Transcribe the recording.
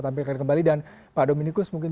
tampilkan kembali dan pak dominikus mungkin